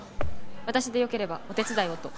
私でよければお手伝いをと。